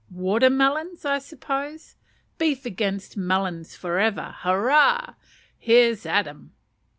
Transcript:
"Water melons, I suppose! Beef against melons for ever, hurrah! Here's at him."